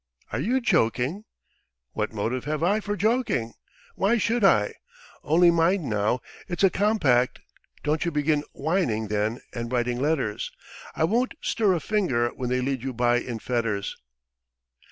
"Are you joking?" "What motive have I for joking? Why should I? Only mind now; it's a compact, don't you begin whining then and writing letters. I won't stir a finger when they lead you by in fetters!"